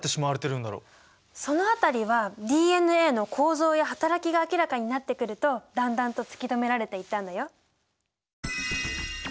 その辺りはＤＮＡの構造や働きが明らかになってくるとだんだんと突き止められていったのよ。